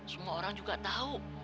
semua orang juga tahu